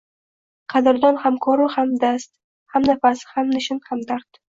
Qadrdon, hamkoru hamdast, hamnafas, hamnishin, hamdard…